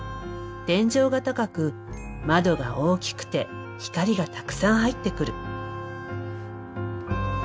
天井が高く窓が大きくて光がたくさん入ってくる。